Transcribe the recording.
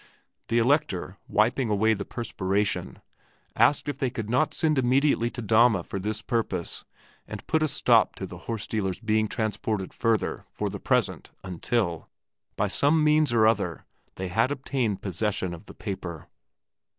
The Elector, wiping away the perspiration, asked if they could not send immediately to Dahme for this purpose and put a stop to the horse dealer's being transported further for the present until, by some means or other, they had obtained possession of the paper.